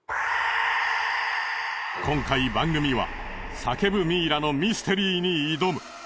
今回番組は叫ぶミイラのミステリーに挑む。